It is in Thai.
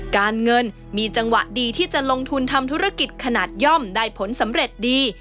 การเงินมีจังหวะดีที่จะลงทุนทำธุรกิจขนาดย่อมได้ผลสำเร็จดี